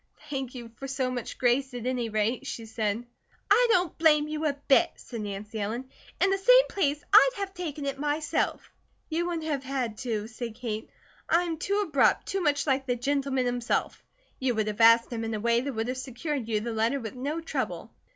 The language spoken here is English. "Thank you for so much grace, at any rate," she said. "I don't blame you a bit," said Nancy Ellen. "In the same place I'd have taken it myself." "You wouldn't have had to," said Kate. "I'm too abrupt too much like the gentleman himself. You would have asked him in a way that would have secured you the letter with no trouble."